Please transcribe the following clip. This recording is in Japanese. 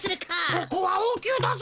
ここはおうきゅうだぞ！